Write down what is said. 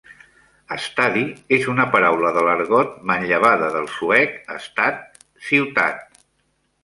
"Stadi" és una paraula de l"argot, manllevada del suec "stad", "ciutat".